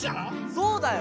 そうだよ。